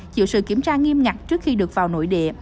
chịu sự kiểm tra nghiêm ngặt trước khi được vào nội địa